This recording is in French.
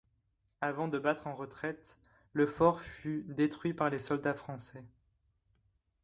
Avant de battre en retraite, le fort fut détruit par les soldats français.